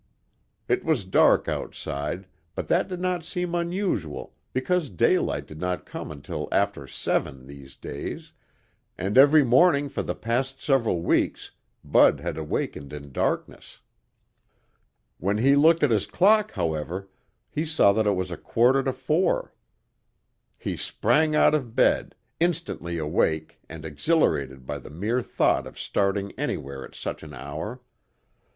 It was dark outside, but that did not seem unusual because daylight did not come until after seven these days, and every morning for the past several weeks Bud had awakened in darkness. When he looked at his clock, however, he saw that it was a quarter to four. He sprang out of bed, instantly awake and exhilarated by the mere thought of starting anywhere at such an hour.